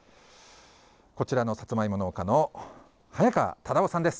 こちらのさつまいも農家の早川忠男さんです。